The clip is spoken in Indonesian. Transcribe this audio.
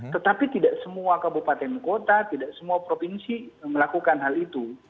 tetapi tidak semua kabupaten kota tidak semua provinsi melakukan hal itu